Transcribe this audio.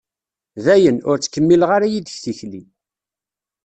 Dayen, ur ttkemmileɣ ara yid-k tikli.